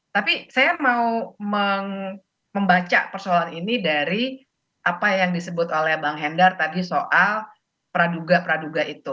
tapi saya mau membaca persoalan ini dari apa yang disebut oleh bang hendar tadi soal praduga praduga itu